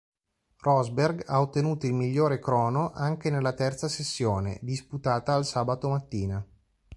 Rosberg ha ottenuto il migliore crono anche nella terza sessione, disputata al sabato mattina.